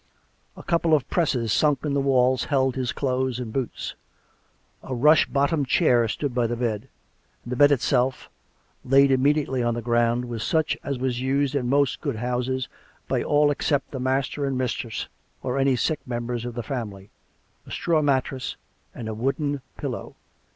A couple of presses sunk in the walls held his clothes and boots ; a rush bottomed chair stood by the bed; and the bed itself, laid immediately on the ground, was such as was used in most good houses by all except the master and mistress, or any sick members of the family — a straw mattress and a wooden pillow.